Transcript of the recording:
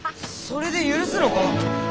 それで許すのか？